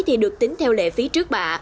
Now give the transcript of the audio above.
thì được tính theo lệ phí trước bạ